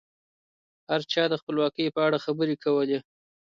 هر چا د خپلواکۍ په اړه خبرې کولې.